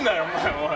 おい！